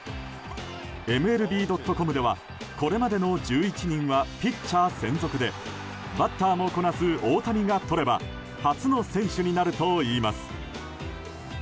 ＭＬＢ．ｃｏｍではこれまでの１１人はピッチャー専属でバッターもこなす大谷が取れば初の選手になるといいます。